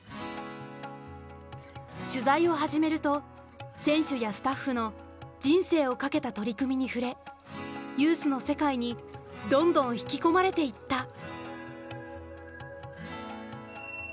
取材を始めると選手やスタッフの人生を懸けた取り組みに触れユースの世界にどんどん引き込まれていった。